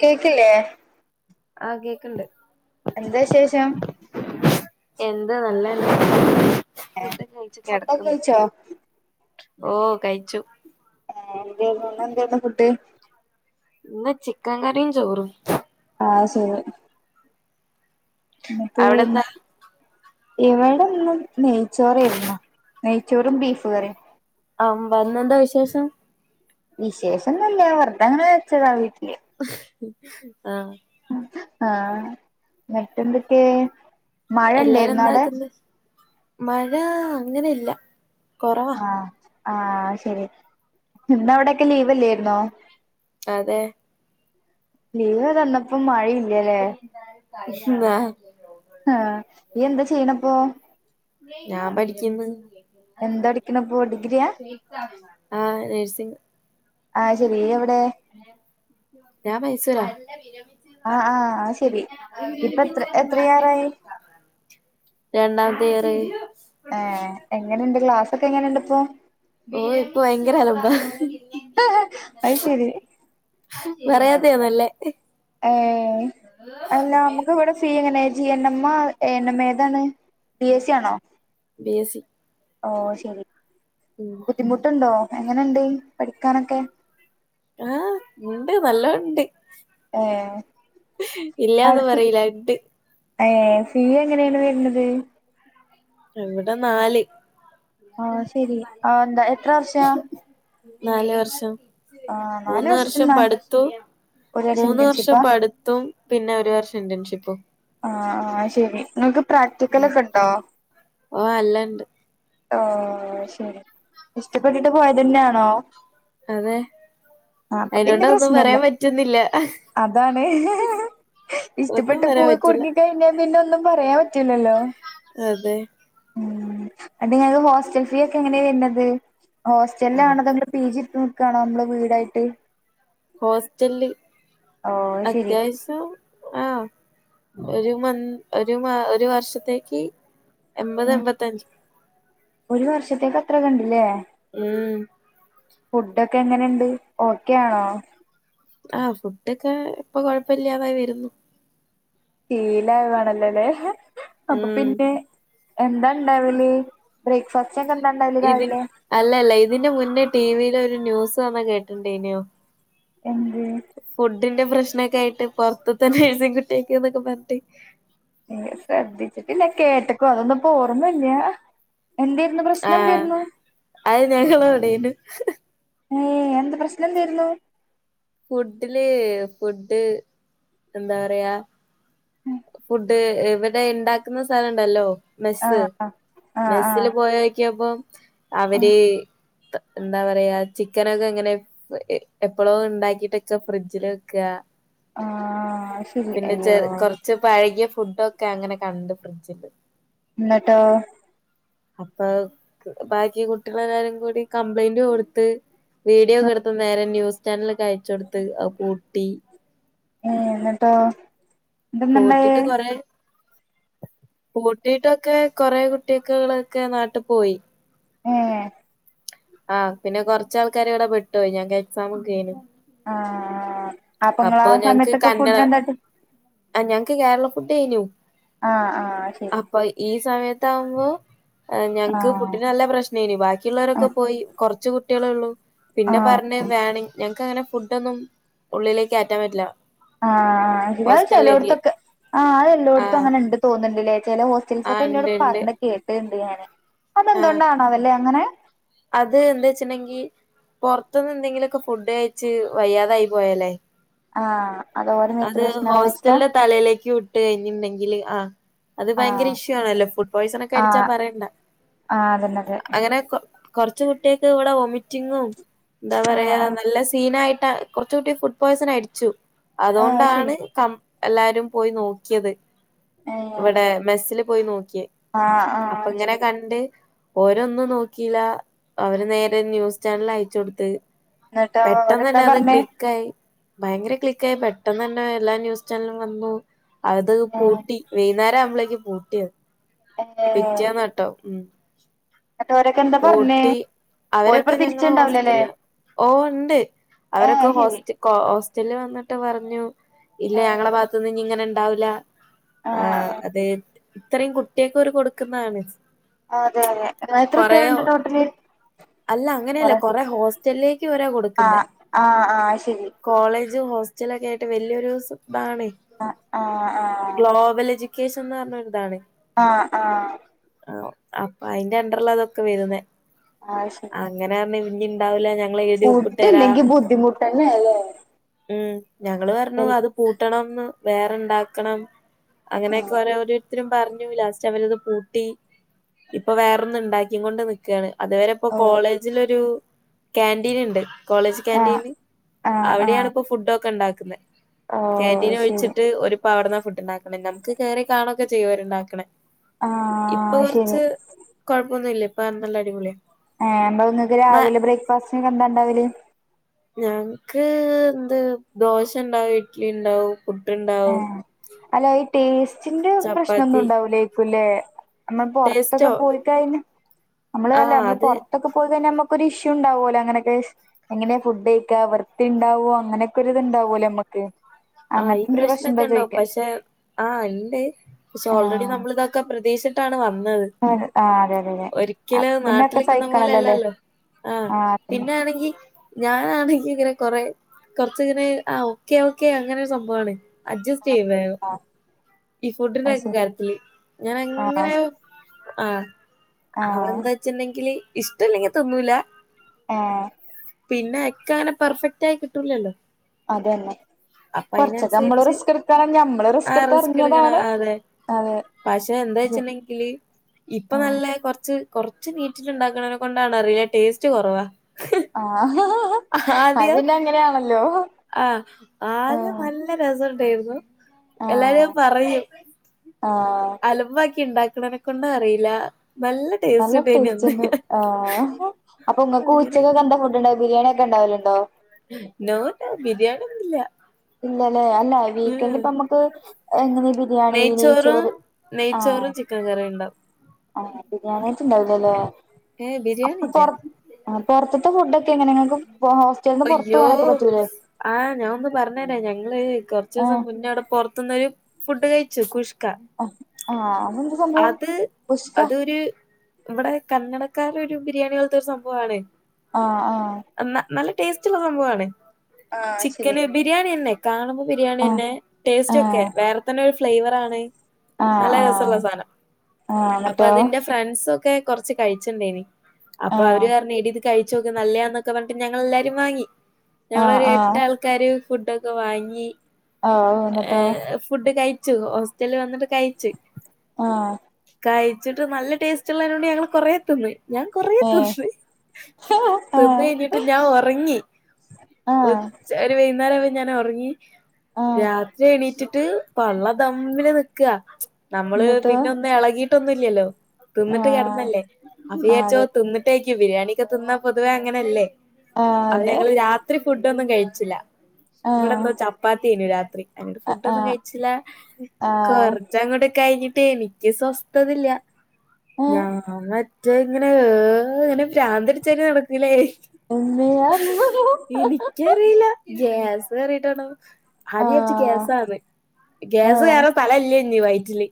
Cake ല്ലെ ആ കേക്ക്‌ണ്ട് എന്താ വിശേഷം. എന്താ നല്ലന്നെ എ ഫുഡ് കഴിച്ച് ഫുഡോക്കെ കിടക്കുന്നു കഴിച്ചോ. ഓ കഴിച്ചു ഏ എന്തേയ്ര്ന്നു [unintelligible] ഫുഡ് ഇന്ന് ചിക്കൻ കറിയും ചോറും ആ ശരി. ഇങ്ങക്കെ അവിടെന്താ ഇവടെന്ന് നെയ്ച്ചോറയിര്ന്നു നെയ്ച്ചോറും ബീഫ് കറിം അ [unintelligible] എന്താ വിശേഷം, വിശേഷന്നുല്ല വെർതങ്ങനെ വെച്ചതാ വീട്ടില്, ആ ആഹ് മറ്റെന്തൊക്കെ എല്ലാരും മഴണ്ടെയ്രുന്നോവ്ടെ, എന്താക്ക്ന്ന് മഴ അങ്ങനെല്ല, ആ ആ അയ് ശരി ഇന്ന് അവടെക്കെ ലീവല്ലെയ്രുന്നോ, അതെ, ലീവ് തന്ന ആ ആ നീ എന്താ ചെയ്യ്ണപ്പോ, ഞാൻ പഠിക്ക്‌ന്ന് എന്താ പഠിക്കണപ്പോ ഡിഗ്രിയാ ആ നൈസിങ് ആയ് ശെരി ഇയ്യവ്ടെ, ഞാൻ മൈസൂരാ, ആഹ് ആഹ് അത് ശരി ഇപ്പൊ എത്ര പിന്നെ എത്രയാറായി രണ്ടാമത്തെ ഇയറ്, ഏ എങ്ങനെണ്ട് ക്ലാസക്കെ എങ്ങനെണ്ട് ഇപ്പോ, ഓ ഇപ്പ ഭയങ്കര അലമ്പാ, അയ് ശരി, പറയാത്തെ നല്ലേ, ഏ അല്ല അമ്മക്ക് ഇവടെ ഫീ എങ്ങനെ ജി മ്മ എനം ഏതാണ് ബി എസ് സി ആണോ ബി എസ് സി ഓ ശരി, ഉം ബുദ്ധിമുട്ട്ണ്ടോ എങ്ങനെണ്ട് പഠിക്കാനൊക്കെ, ആ ഇണ്ട് നല്ലോണ്ട്, ഏഹ് ഇല്ലാന്ന് പറീല ഇട്ട് ഏ ഫീ എങ്ങനെണ് വര്ന്നത് ഇവ്ടെ നാല്, ആ ശരി ആ എന്താ എത്ര വർഷ നാല് വർഷം ആഹ് നാല് മൂന്ന് വർഷം വർഷത്തിന്നാ പഠിത്തം ഒരു മൂന്ന് വർഷം ഇന്റേൺഷിപ്പാ പട്‌ ത്തും പിന്നെ ഒര് വർഷം ഇന്റൺഷിപ്പും, ആ ആ ശെരി ഇങ്ങൾക്ക് പ്രാക്ടിക്കലൊക്കെ ഇണ്ടോ? ഓ അല്ല ണ്ട്, ഓ ശരി ഇഷ്ടപ്പെട്ടിട്ട് പോയതന്നെണോ അതെ. ആ അപ്പൊ പിന്നെ അയിനോണ്ട് ഒന്നും പ്രശ്നല്ല പറയാൻ പറ്റുന്നില്ല അതാണ്. ഒന്നും പറയാൻ ഇഷ്ടപ്പെട്ട്പോയി പറ്റില്ല കുട്‌ങ്ങിക്കഴിഞ്ഞാ പിന്നെ ഒന്നും പറയാം പറ്റൂലല്ലോ. അതെ. അ നിങ്ങക്ക് ഹോസ്റ്റൽ ഫീ ഒക്കെ എങ്ങനെ വര്ന്നത് ഹോസ്റ്റൽ ലാണോ അതോ അത് പീജിട്ത്ത് നിക്കാണോ നമ്മളെ വീടായിട്ട്, ഹോസ്റ്റൽ ഓ ശരി അത്യാവശ്യം, ആഹ് ഒരു മന്ത് ഒരു മ ഒരു വർഷത്തേക്ക്, എൺപത് ഉം എൺപത്തഞ്ച്. ഒരു വർഷത്തേക്ക് അത്രകെണ്ടില്ലേ? ഉം. ഫുഡൊക്കെങ്ങനെണ്ട് ഓക്കെയാണോ, ആഹ് ഫുഡൊക്കെപ്പൊ കൊഴപ്പില്ലാതായി വരുന്നു, ശീലാകുവാണല്ലോല്ലേ അപ്പൊ ഉം പിന്നെ. എന്താണ്ടാവല് ബ്രേക്ക്ഫാസ്റ്റ്. ഉച്ചകെന്താ ഇണ്ടാൽ ഇതി അല്ലല്ല ഇതിന്റെ മുന്നേ ടിവിൽ ഒരു ന്യൂസ് വന്ന കെട്ടിണ്ടായിനിയൊ എന്ത് ഫുഡിന്റെ പ്രശ്നക്കെ ആയിട്ട് പുറത്തത്തെ നഴ്സിങകുട്ടിയൊക്കെന്നൊക്കെ പറഞ്ഞിട്ട് ഇല ശ്രദ്ധിച്ചിട്ടില്ല കേട്ടക്കൊ അതൊന്നപ്പോ ഓർമ്മല്ല എന്തേർന്നു പ്രശ്നം ആഹ് എന്തേർന്നു അത് ഞങ്ങളവിടേനു ഏഹ് എന്ത പ്രശ്നം എന്തായിരുന്നു ഫുഡില് ഫുഡ് എന്താറയാ ഇത് ഇവിടെ ഉണ്ടാക്കുന്ന സ്ഥലംണ്ടല്ലോ മെസ്സ് ആഹ് ആഹ് ആഹ് മെസ്സില് ആഹ് പോയക്കിയപ്പം ആഹ് അവര് എന്താ പറയാ ചിക്കനൊക്കെ ങ്ങനെ എപ്പളോ ഉണ്ടാക്കിട്ടൊക്ക ഫ്രിഡ്ജിൽ വെക്കുക ആഹ് ശരി പിന്നെ അയ്യോ ച കുറച്ച് പഴകിയ ഫുഡോക്കെ അങ്ങനെ കണ്ട് ഫ്രിഡ്ജില് ഇന്നട്ടോ അപ്പൊ ബാക്കി കുട്ടികളെല്ലാം കൂടി കംപ്ലൈന്റ് കൊടുത്ത് വീഡിയോ ഒക്കെ എടുത്ത് നേരെ ന്യൂസ് ചാനലൊക്കെ അയച്ച് കൊടുത്ത് അത്പൂട്ടി ഏഹ് ന്നട്ടോ പൂട്ടിട്ട് കൊറെ പൂട്ടിട്ടൊക്കെ കുറെ കൂട്ടികളൊക്കെ നാട്ടിൽ പോയി ഏഹ് ആ പിന്നെ കുറച്ചാൾക്കാർ ഇവിടെ പെട്ടോയി ഞങ്ങക്ക് എക്സാം ഒക്കെ ഏയിനിം ആഹ് അപ്പൊ നിങ്ങൾ ആ സമയത്തൊക്കെ ഫുഡ എന്താട്ടി ആ ഞങ്ങൾക്ക് കേരള ഫുഡ് ഏനു ആ ആ അയ്ശരി അപ്പൊ ഈ സമയത്താകുമ്പോ ആ ഞങ്ങൾക്ക് ആഹ് ഫുഡിന് ന നല്ല പ്രശ്നംഏനിം ബാക്കിയുള്ളവരൊക്കെ പോയി കുറച്ച കുട്ടികളെ ഉള്ളു പിന്നെ ആഹ് പറഞ്ഞത് വേണെങ്കി ഞങ്ങക്ക് അങ്ങനെ ഫുഡോന്നും ഉള്ളിലേക്ക് കയറ്റാൻ പറ്റില്ല ആ ആ അത് ഹോസ്റ്റലിലേക്ക് ചെലോടത്തൊക്കെ ആ അത് എല്ലോടത്തും ആഹ് അങ്ങനെ ഉണ്ട് തോന്നിണ്ടില്ലേ ചില ഹോസ്റ്റൽസ് ഒക്കെ ആഹ് എന്നോട് ഇണ്ട് ഇണ്ട് പറഞ്ഞ് കേട്ടുണ്ട് ഞാന് ആഹ് അതെന്തുകണ്ടണാവാലെ അങ്ങനെ അത് എന്താ വച്ച് ണ്ടെങ്കി പുറത്തുന്ന് എന്തെങ്കിലുക്കെ ഫുഡ് കഴിച്ച് വയ്യാതായി പോയാലേ ആഹ് ഓരെ മേത്ത് അത് പ്രശ്നാവും വെച്ചിട്ടാ ഹോസ്റ്റലിന്റെ തലയിലേക്കും ഇട്ട് കഴിഞ്ഞുണ്ടെങ്കില് ആ അത് ഭയങ്കര ആഹ് ഇഷ്യൂ ആണല്ലോ ഫുഡ് പോയ്സൺ ഒക്കെ അടിച്ചാ പറയണ്ട ആ അതന്നെ അതെ കുറച്ച് കുട്ടികക്ക് ഇവിടെ ഒമിറ്റിങ്ങും എന്താ ആഹ് പറയാ ആഹ് നല്ല സീനായിട്ട കുറച്ച കട്ടി ഫുഡ് പോയ്സൺ അടിച്ചു ആഹ് അത് ശരി അതുകൊണ്ടാണ് കം എല്ലാരും പോയി നോക്കിയത് ഏഹ് ഇവിടെ മെസ്സില് പോയി നോക്കിയേ ആഹ് ആഹ് അപ്പങ്ങനെ ശരി കണ്ട്. ഓരൊന്നും നോക്കീലാ അവര് നേരെ ന്യൂസ് ചാൻലയച്ചൊട്ത്ത്. ന്നട്ടോ ഓരെന്താ പെട്ടെന്നെന്നത് പർഞ്ഞേ ക്ലി ക്കായി ഭയങ്കര ക്ലിക്കായി പെട്ടെന്നന്നെ എല്ലാ ന്യൂസ് ചാൻലും വന്നു. അത് ഏഹ് പൂട്ടി. വൈന്നേരാവുമ്പളേക്കും പൂട്ടിയയ്. പിറ്റേന്നാട്ടോ. ഉം. ന്നട്ടോരൊക്കെന്താ പർഞ്ഞേ? ഊട്ടി ഓര് അവരൊക്കെ ഞങ്ങളെ പ്രതീക്ഷിച്ച്ണ്ടാവൂലല്ലേ ഹോസ്റ്റലാ ഓഹ് ണ്ട് ഏഹ് അവരൊക്കെ അത് ശരി ഹോസ്റ്റ കോ ഹോസ്റ്റല് വന്ന്ട്ട് പറഞ്ഞു ഇല്ല ആഹ് ഞങ്ങളെ ഭാഗത്തുന്ന് ഞ്ഞിങ്ങനെണ്ടാവൂല്ല ആഹ്, അത് ഇത്രയും കുട്ട്യേക്കൊര് കൊട്ക്ക്ന്നാ [unintelligible] ആഹ് അതെ അതെ എത്ര കൊറേ ഓ കുട്ട്യേള്ണ്ട് ടോട്ടല് അല്ല അങ്ങനെയല്ല കൊറേ ഹോസ് റ്റല്ലേയ്ക്ക് വരാ കൊട് ആഹ്, ആഹ്, ആഹ് ശെരി. കോളേജും ഹോസ്റ്റലൊക്കേയ്ട്ട് വെല്ല്യൊരു സബ്ബാണ് ആഹ് ആഹ് ഗ്ലോബലെജു ക്കേഷ്ന്നർഞ്ഞൊര്താണ്. ആഹ്, ആഹ്. ആ അ അയ്ന്റണ്ടറ്ലാതൊക്കെ വെര്ന്നേ. ആയ്ശെരി. അങ്ങനാർഞ്ഞി ഞ്ഞിണ്ടാവൂലാ ഞ ഫുഡ്ഡില്ലെങ്കീ ബുദ്ധിമുട്ടെന്നേലേ. ഉം. ഞങ്ങള് പർഞ്ഞൂ അത് പൂട്ടണംന്ന് വേറെണ്ടാക്കണം ആഹ് അങ്ങനേക്കോരോര് ര്ത്തരും പർഞ്ഞു ലാസ്റ്റ് അവരത് പൂട്ടി. ഇപ്പൊ വേറൊന്ന്ണ്ടാക്കിങ്ങൊണ്ട് നിക്കാണ്. അത് വെരെ പ്പോ ഓഹ് കോളേജിലൊരു കാന്റീന്ണ്ട്. കോളേജ് ആഹ് കേന്റീന്. ആഹ് അവിടെയാണ് ആഹ് പ്പോ ഫുഡൊക്കെണ്ടാക്ക്ന്നേ ഓഹ് ശരി കാന്റീനൊഴിച്ചിട്ട് ഓര്പ്പവട്ന്നാ ഫുഡ്ണ്ടാക്ക്ണേ. നമ്ക്ക് കേറി കാണൊക്കെ ചെയ്യു ഓര്ണ്ടാക്ക്ണേ. ഇപ്പൊ ആഹ് ശരി കൊർച്ച് കൊഴപ്പൊന്ന്ല്ല്യ ഇപ്പൊ ആ നല്ല അടിപൊളിയ. ഏഹ് [unintelligible] ങ്ങക്ക് രാവിലെ ബ്രേക്ക്ഫാസ്റ്റ്നെന്താണ്ടാവല്? ഞാങ്ങ്ക്ക് എന്ത് ദോശണ്ടാവും ഇഡ്ലിണ്ടാവും. പുട്ട്ണ്ടാ ഏഹ്, അല്ല ഈ ടേസ്റ്റിന്റെ ചപ്പാത്തി പ്രശ്നൊന്നുണ്ടാവൂലേ? ല്ലേ അമ്മ ടേസ്റ്റോ പൊർത്തൊക്കെ പോയിക്കഴിഞ്ഞ് അമ്മള് അല്ലേ ആഹ് അമ്മള് അത് പൊറ ഒക്ക പോയി കയിഞ്ഞാ അമ്മക്കൊരു ഇഷ്യൂണ്ടാവോലോ അങ്ങനൊക്കെ ഷ് എങ്ങന്യാ ഫുഡയ്ക്ക വർത്തിണ്ടാവോ അങ്ങനൊക്കൊരിത്ണ്ടാവോലോ അമ്മക്ക്. ആഹ് ഈ പ്രശ്നൊക്കെണ്ടാവും പഷ് ഷേ ആഹ്, ഇണ്ട്. ഷെ ഓൾറെഡി ആഹ് നമ്മള്തൊക്കെ പ്രതീഷിട്ടാണ് വന്നത്. ആ അതെ അതെ അതെ ഒരിയ്ക്കലയ് പിന്നൊക്കെ നാട്ടിലിക്ക്ന്ന സഹിക്കണല്ലോല്ലേ പോലെല്ലല്ലോ. ആഹ്, പിന്നാണെങ്കി ഞാ ആന്നെങ്കിങ്ങനെ കൊറേ കൊർച്ച്ങ്ങനെ ആ ഓക്കെ, ഓക്കെ അങ്ങനൊര് സംഭവാണ്. അജസ്റ്റെയ്യും വേഗം. അതന്നെ ഈ അത് ഫുഡിന്റൊക്കെ ശരി കാര്യത്തിൽ ഞാനങ്ങനേ ആഹ് ആഹ്. ആ ആഹ് എന്താച്ച്ണ്ടെങ്കില് ഇഷ്ടല്ലെങ്കി തിന്നൂലാ. ഏഹ് പിന്നെ എക്കെ അങ്ങനെ പെർഫെക്റ്റായി കിട്ടൂലല്ലോ. അതെന്നെ. അപ്പൊ കൊർച്ചൊക്കെ അമ്മളും അയിനനുസരിച്ച് റിസ്ക്കെട്ക്കണം ഞമ്മളു റിസ്കെട്ത്തെറങ്ങ്യതാണ്. പഷെ എന്താച്ചിണ്ടെങ്കില് ഇപ്പൊ ആഹ് നല്ലേ കൊർച്ച് കൊർച്ച് നീറ്റില്ണ്ടാക്ക്ണേനെ കൊണ്ടാണോ അറീല ടേസ്റ്റ് കൊറവാ. ആഹ് ഹ ഹ ഹ. ഹ ഹാദ്യോം ആഹ് ആദ്യം ആഹ് നല്ല ല്ല രസണ്ടേര്ന്നു. എല്ലാരും ആഹ് അയ് പറയും. ആഹ്. അലമ്പാക്കിണ്ടാക്ക്ണേനെക്കൊണ്ടറീല നല്ല ടേസ്റ്റ് നല്ല ഉണ്ടായിനി അന്ന് ടേസ്റ്റ്ണ്ട് ആ അപ്പൊ ഇങ്ങക്ക് അങ്ങനൊക്കെ ഉച്ചക്കൊക്കെന്താ ഫുഡ്ണ്ടാക്കാ ബിരിയാണി ഒക്കെണ്ടാവല് ണ്ടോ? നോ നോ ബിരേണിയൊന്നൂല്ല്യാ. ഇല്ലല്ലേ അല്ല വീക്കന്റ്പ്പൊമ്മക്ക് ഇങ്ങനേ ബിര്യാണി നെയ് നെയ്ച്ചോറും ചോറ് നെയ്ച്ചോറും ചിക്കൻ കറീണ്ടാവും. ആ ബിരിയാണ്യായിട്ട്ണ്ടാവൂലലേ. ഏ ബിര്യാണില്ല്യാ. ആ പൊറത്ത്ത്തെ ഫുഡൊക്കെങ്ങനെങ്ങക്ക് പ്പോ ഹോസ് അയ്യോ ആ ഞാ ഒന്ന് പറഞ്ഞേരാ ഞങ്ങള് കൊറച്ചോസം ആഹ് മുന്നെടെ പൊറ ത്ത്ന്നൊരു ഫുഡ് കഴിച്ചു കുഷ് ക്ക ആഹ് ആഹ് അതെന്താ സംഭവം അത് ഉസ്ക അതൊരു നമ്മടെ കന്നടക്കാരെ ഒരു ബിരിയാണി പോലത്തൊരു സംഭവാണ് ആ ആ ന്ന നല്ല ടേസ്റ്റുള്ള സംഭവാണ് ആഹ് ശരി ചിക്കന് ബിരിയാണിയെന്നെ കാണുമ്പൊ ആഹ് ബിരിയാണിയെന്നെ ടേസ്റ്റോക്കെ ആഹ് വേറെ തന്നെ ഒരു ഫ്ലേവർ ആണ് ആഹ് നല്ല രസൊള്ള ആഹ് സാധനം ആഹ് അപ്പൊ എന്നിട്ടോ അതിന്റെഫ് ഫ്രണ്ട്സൊക്കെ കൊറച്ച് കഴിചൊണ്ടേനി അപ്പൊ അവര് ആഹ് പറഞ്ഞ് എടീത് കഴിച്ചോക്ക് നല്ലേയാന്ന് ക്കെ പറഞ്ഞിട്ട് ഞങ്ങളെല്ലാരും വാങ്ങി ആഹ് ഞങ്ങളൊരു എട്ട് ആഹ് ആൾക്കാര് ഫുഡൊക്കെ വാങ്ങി ആഹ് ഏ എന്നിട്ടോ ഫുഡ് കയിച്ചു ഹോസ്റ്റലിൽ വന്നത് കയിച്ച് ആ കയിച്ചിട്ട് നല്ല ടേസ്റ്റ് ഉള്ളതിനോണ്ട് ഞങ്ങള് കൊറേ തിന്ന് ഞാൻ കൊറേ ഏഹ് തിന്ന് തിന്ന് ആഹ് കയിഞ്ഞിട്ട് ഞാൻ ഒറങ്ങി ഒ ആഹ് ച്ച ഒരു വൈകുന്നേരം ഞാൻ ഒറങ്ങി ആഹ് രാത്രി എണീറ്റിട്ട് പള്ള തമ്മില് നിക്കാ നമ്മള് എന്നിട്ടോ പിന്നെ ഒന്ന് എളകി ട്ടൊന്നുല്ല്യല്ലോ തിന്നിട്ട് ആഹ് കെടന്നല്ലേ അപ്പൊവിചാരിച്ചോ ആഹ് തിന്നി ട്ടേക്ക് ബിരിയാണിയൊക്കെ തിന്നാ പൊതുവെ അങ്ങനെയല്ലേ അപ്പ അതെ ഞങ്ങള് രാ ത്രി ഫുഡോന്നും കഴിച്ചില്ല ഇവിടെ ആഹ് എന്തോ ചപ്പാ ത്തിനു രാത്രി അത്കൊണ്ട് ഫുഡ്‌ അതെ ആഹ് ഒന്നും ആഹ് കഴിച്ചില്ല ആഹ് കൊർ ച്ചങ്ങ്ട്ട് കഴഞ്ഞിട്ട് എനിക്ക് സ്വസ്ഥതല്ല ഏഹ് ഞാൻ മ റ്റേ ഇങ്ങനെ ഏ ഇങ്ങനെ ഭ്രാന്ത്ടിച്ചെനെ നടക്കൂല്ലേ ഉമ്മേ ക്കറില്ല ഗ്യാസ് കേറിട്ടാണോ ആദ്യച്ച് ആഹ് ഗ്യാസാന്ന് ഗ്യാസ് ആഹ് കയറ സ്ഥല ഇല്ലഞ്ഞി വയറ്റില്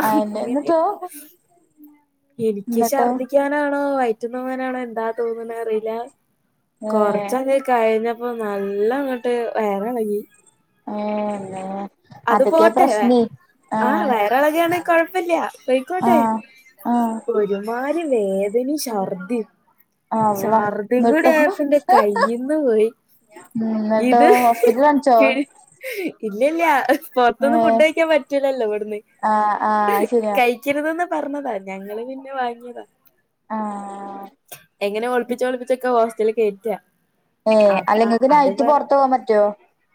ആഹ് അയെന്നെ എന്നിട്ടോ ഇങ്ങനായിട്ട് എനിക്ക് എന്നിട്ടോ ശർദ്ദിക്കാനാണോ വയറ്റിന്ന് പോവനാണോ എന്താ തോന്നണേ അറിയില്ല ഏഹ് കൊറച്ചങ്ങ് കഴിഞ്ഞപ്പോ നല്ലങ്ങട്ട് വയറളകി ഏ നേ അത് പോട്ടെ ആ വയറളകാണെങ്കി കൊഴപ്പല്ല്യ പോയ്ക്കോട്ടെ ആഹ് ആഹ് ഒരുമാരി വേദനീം ശർദീ അള്ളാ ശർദി കൂടി എന്നിട്ടോ ആയപ്പന്റെ കയീന്ന് പോയി ഉം ന്നട്ടോ ഹോസ്പിറ്റൽ കാണിച്ചോ? ഇല്ല്യല്ല്യ പൊറത്തൂന്ന് ഫുഡ് ഏഹ് കയിക്കാൻ പറ്റൂലല്ലോ ഇവിടുന്ന് ആഹ് ആഹ് ശരിയാ കയ് ക്കരുതെന്ന് പറഞ്ഞതാ ഞങ്ങള് പിന്നെ വാങ്ങിയതാ ആഹ് എങ്ങനെ ഒളിപ്പിച്ച് ഒളിപ്പിച്ചൊക്കെ ഹോസ്റ്റലി കയറ്റാ ഏ അല്ലങ്ങക്ക് നൈറ്റ് പൊറത്ത് പോവാൻ പറ്റോ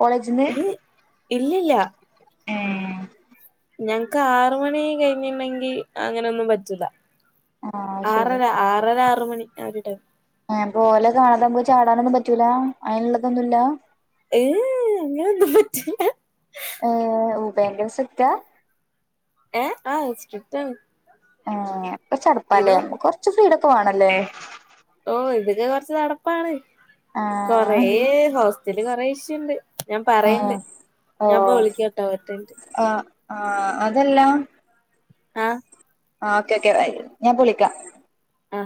കോളേജിന്ന് ഇല്ല്യല്ല്യ ഏ ഞങ്‌ക്ക് ആറ് മണി കഴിഞ്ഞിണ്ടെങ്കി അങ്ങനൊന്നും പറ്റൂല്ല ആഹ് ശരി ആറര ആറര ആറ് മണി ആ ഒരു ടൈം എ പോലെ കാണാതമ്മക്ക് ചാടാനൊന്നും പറ്റൂല അയ്നുള്ളതൊന്നുല്ല ഏഹ് അങ്ങനൊന്നും പറ്റൂല്ല ഏ ഉ ഭയങ്കര സ്‌ട്രിക്‌ട്ട ഏ ആ സ്ട്രിക്ട്ടാണ് ആ അപ്പ ചടപ്പാല്ലേ ഞമ്മക്ക് കൊർച്ച് ഫ്രീടൊക്കെ വാണല്ലേ ഓ ഇതൊക്കെ കൊർച്ച് നടപ്പാണ് കൊറേ ആഹ് ഹോസ്റ്റല് കൊറേ ഇഷ്യൂണ്ട് ഞാൻ ഏ പറയണ്ട് ഓ ഞാപ്പൊ വിളിക്കാട്ടോ ഒറ്റൻറ്റ് ആ ആ അതല്ല ആ ആ ഓക്കെ ഓക്കെ ബൈ ഞാപ്പൊ വിളിക്കാ അ